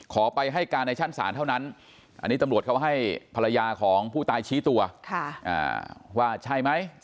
ไปให้การในชั้นศาลเท่านั้นอันนี้ตำรวจเขาให้ภรรยาของผู้ตายชี้ตัวว่าใช่ไหม